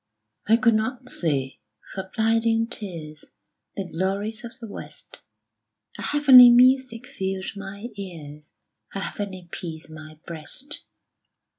I could not see, for blinding tears, The glories of the west: A heavenly music filled mine ears, A heavenly peace my breast.